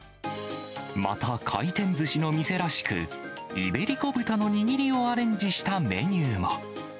また、回転ずしの店らしく、イベリコ豚の握りをアレンジしたメニューも。